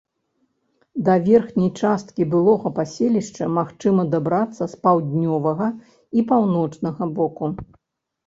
Да верхняй часткі былога паселішча магчыма дабрацца з паўднёвага і паўночнага боку.